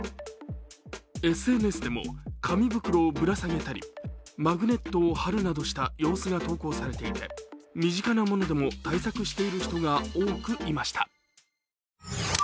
ＳＮＳでも、紙袋をぶら下げたりマグネットを貼るなどした様子が投稿されていて、身近なものでも対策している人が多くいました。